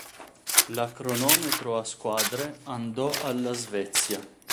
La cronometro a squadre andò alla Svezia.